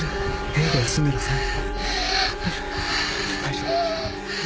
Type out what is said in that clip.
部屋で休んでなさい。